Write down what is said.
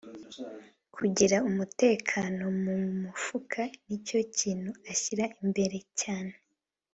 Kugira umutekano mu mufuka nicyo kintu ashyira imbere cyane